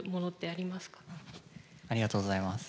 ありがとうございます。